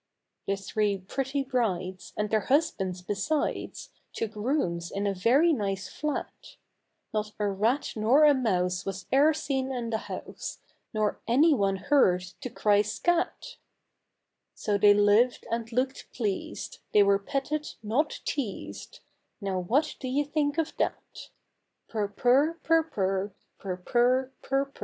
The three pretty brides, and their husbands besides, Took rooms in a very nice flat; Not a rat nor a mouse was e'er seen in the house, Nor any one heard to cry Scat! THE THREE LITTLE KITTENS. So they lived and looked pleased — they were petted not teased — Now what do you think of that? Purr, purr, purr, purr, Purr, purr, purr, purr.